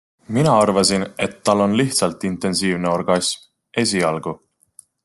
Mina arvasin, et tal on lihtsalt intensiivne orgasm ... esialgu.